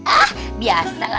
ah biasa lah